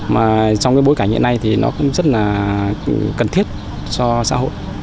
mà trong cái bối cảnh hiện nay thì nó cũng rất là cần thiết cho xã hội